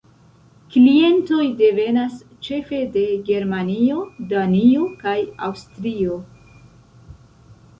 Klientoj devenas ĉefe de Germanio, Danio kaj Aŭstrio.